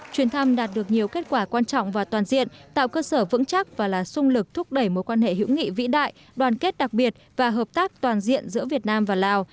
chuyến thăm đạt được nhiều kết quả quan trọng và toàn diện tạo cơ sở vững chắc và là sung lực thúc đẩy mối quan hệ hữu nghị vĩ đại đoàn kết đặc biệt và hợp tác toàn diện giữa việt nam và lào